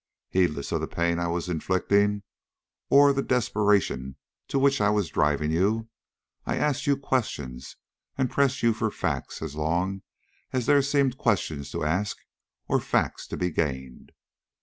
Heedless of the pain I was inflicting, or the desperation to which I was driving you, I asked you questions and pressed you for facts as long as there seemed questions to ask or facts to be gained.